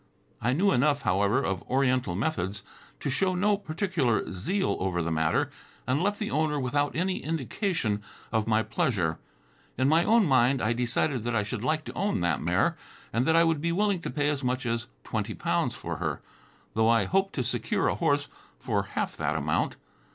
I knew enough, however, of oriental methods, to show no particular zeal over the matter, and left the owner without any indication of my pleasure. In my own mind, I decided that I should like to own that mare, and that I would be willing to pay as much as twenty pounds for her, though I hoped to secure a horse for half that amount.